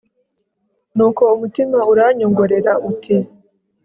Ni uko umutima uranyongorera Uti